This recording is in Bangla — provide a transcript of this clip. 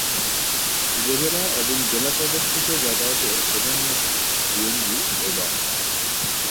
উপজেলা এবং জেলা সদর থেকে যাতায়াতের প্রধান মাধ্যম 'সিএনজি ও বাস'।